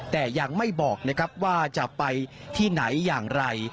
แต่ยังไม่บอกนะครับว่าจะไปที่ไหนอย่างไร